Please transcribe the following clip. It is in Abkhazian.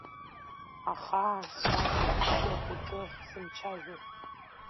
Аха анцәа иџьшьоуп уҿы ахьзымцәажәо.